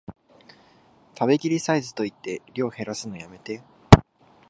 食べきりサイズと言って量へらすのやめて